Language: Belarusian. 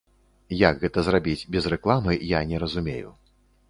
Як гэта зрабіць без рэкламы, я не разумею.